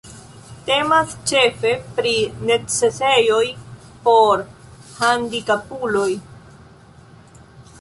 Temas ĉefe pri necesejoj por handikapuloj.